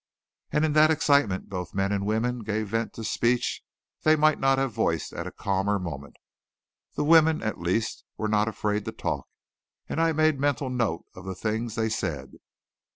And in that excitement both men and women gave vent to speech they might not have voiced at a calmer moment. The women, at least, were not afraid to talk, and I made mental note of the things they said.